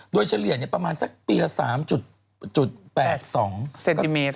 โดยเฉลี่ยประมาณสักปีละ๓๘๒เซนติเมตร